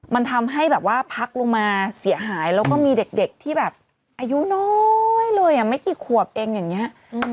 มันทำให้แบบว่าพักลงมาเสียหายแล้วก็มีเด็กที่แบบอายุน้อยเลยไม่กี่ขวบเองอย่างนี้